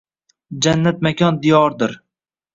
Jannat makon diyordir.